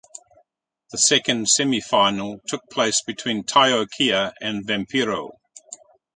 The second semifinal took place between Taiyo Kea and Vampiro.